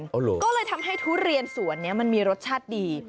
ก็เลยทำให้ทุเรียนสวนนี้มันมีรสชาติดี